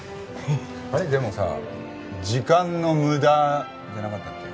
でもさ「時間の無駄」じゃなかったっけ？